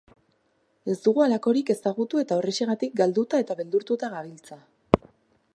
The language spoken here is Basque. Ez dugu halakorik ezagutu eta horrexegatik galduta eta beldurtuta gabiltza.